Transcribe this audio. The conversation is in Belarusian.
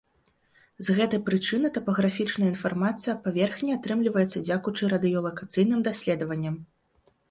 З гэтай прычыны тапаграфічная інфармацыя аб паверхні атрымліваецца дзякуючы радыёлакацыйным даследаванням.